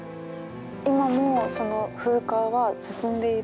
今もその風化は進んでいる？